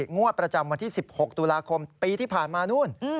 งวดประจำวันที่๑๖ตุลาคมปีที่ผ่านมานู่น